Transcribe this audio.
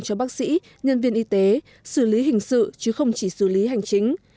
cho bác sĩ nhân viên y tế xử lý hình sự chứ không chỉ xử lý hành chính